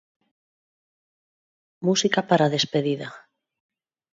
Musica para despedida.